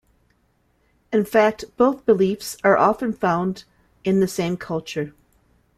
In fact both beliefs are often found in the same culture.